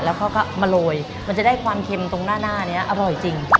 แล้วก็มาโรยมันจะได้ความเค็มตรงหน้านี้อร่อยจริง